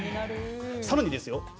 さらにですよ